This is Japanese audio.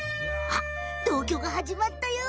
あっ同居がはじまったよ。